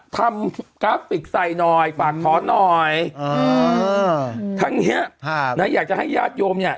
กราฟิกใส่หน่อยฝากถอนหน่อยทั้งเนี้ยนะอยากจะให้ญาติโยมเนี่ย